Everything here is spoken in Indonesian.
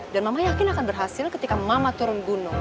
dan mama yakin akan berhasil ketika mama turun gunung